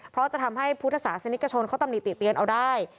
เพราะจะทำให้พุทธศาสนิกชนเขาตำหนิติเตียนเอาได้